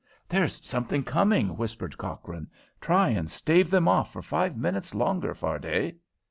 "There's something coming," whispered Cochrane. "Try and stave them off for five minutes longer, Fardet."